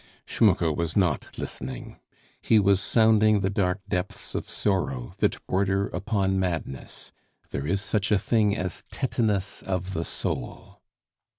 Schmucke was not listening. He was sounding the dark depths of sorrow that border upon madness. There is such a thing as tetanus of the soul.